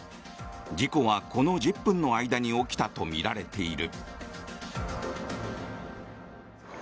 事故はこの１０分の間に起きたとみられている。